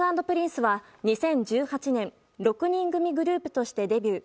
Ｋｉｎｇ＆Ｐｒｉｎｃｅは２０１８年６人組グループとしてデビュー。